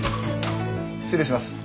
失礼します。